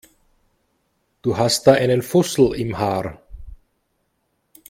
Du hast da einen Fussel im Haar.